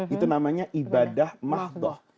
itu namanya ibadah mahdoh